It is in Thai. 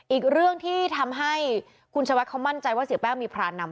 อีกเรื่องที่ทำให้คุณชวัดเขามั่นใจว่าเสียแป้งมีพรานนำ